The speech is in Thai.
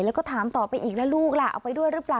แล้วก็ถามต่อไปอีกแล้วลูกล่ะเอาไปด้วยหรือเปล่า